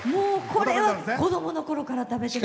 これは子供のころから食べてます。